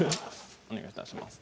お願い致します